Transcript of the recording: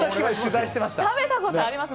食べたことあります！